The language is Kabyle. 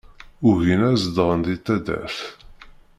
Ugin ad zedɣen di taddart.